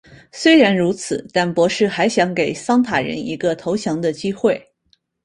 虽然如此但博士还想给桑塔人一个投降的机会。